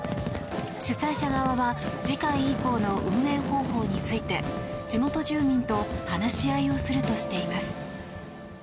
主催者側は次回以降の運営方法について地元住民と話し合いをするとしています。